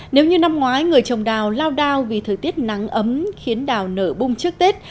nếu như năm ngoái người trồng đào lao đao vì thời tiết nắng ấm khiến đào nở bung trước tết